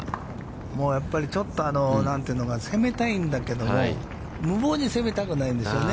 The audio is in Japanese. もうやっぱり、攻めたいんだけども、無謀に攻めたくないんですよね。